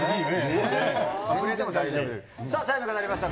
さあ、チャイムが鳴りました。